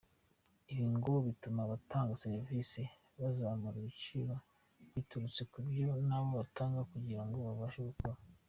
Ibi ngo bituma abatanga serivisi bazamura ibiciro, biturutse kubyo nabo batanga kugirango babashe gukora.